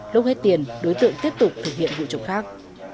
lúc hết tiền đối tượng tiếp tục thực hiện vụ trộm khác